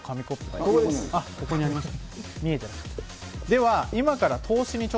あっ、ここにありました。